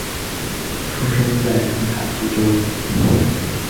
出生在肯塔基州。